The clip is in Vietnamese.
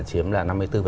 chiếm là năm mươi bốn